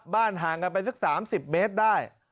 ห่างกันไปสัก๓๐เมตรได้